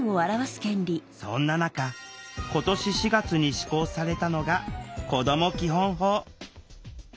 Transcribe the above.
そんな中今年４月に施行されたのが「こども基本法」。